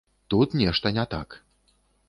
Тут нешта не так.